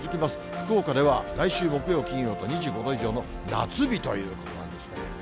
福岡では来週木曜、金曜と２５度以上の夏日ということなんですね。